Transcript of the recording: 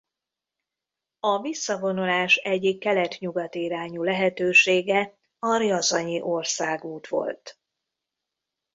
A visszavonulás egyik kelet-nyugati irányú lehetősége a rjazanyi országút volt.